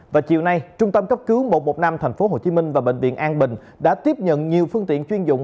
và chiều nay trung tâm cấp cứu một trăm một mươi năm tp hcm và bệnh viện an bình đã tiếp nhận nhiều phương tiện chuyên dụng